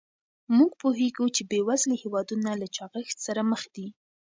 موږ پوهیږو چې بې وزلي هېوادونه له چاغښت سره مخ دي.